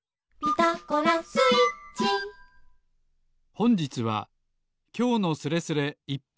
ほんじつは「きょうのスレスレ」いっぱいスペシャル。